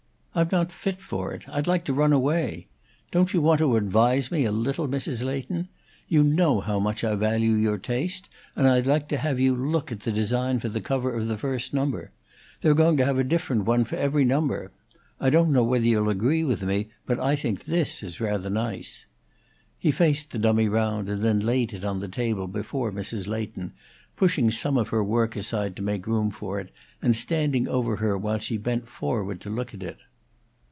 I'm not fit for it; I'd like to run away. Don't you want to advise me a little, Mrs. Leighton? You know how much I value your taste, and I'd like to have you look at the design for the cover of the first number: they're going to have a different one for every number. I don't know whether you'll agree with me, but I think this is rather nice." He faced the dummy round, and then laid it on the table before Mrs. Leighton, pushing some of her work aside to make room for it and standing over her while she bent forward to look at it.